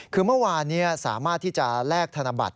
คือเมื่อวานนี้สามารถที่จะแลกธนบัตร